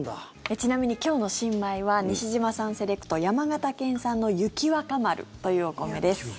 ちなみに今日の新米は西島さんセレクト山形県産の雪若丸というお米です。